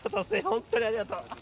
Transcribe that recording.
本当にありがとう。